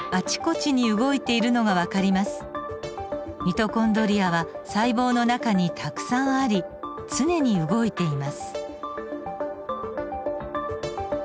ミトコンドリアは細胞の中にたくさんあり常に動いています。